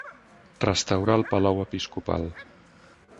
Restaurà el palau episcopal.